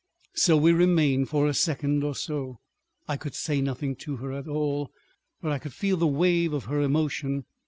So we remained for a second or so. I could say nothing to her at all, but I could feel the wave of her emotion.